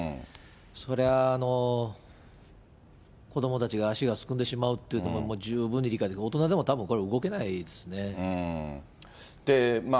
そりゃ、子どもたちが足がすくんでしまうっていうのも十分に理解できる、大人でもこれ、たぶん動けないですね。